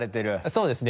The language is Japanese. そうですね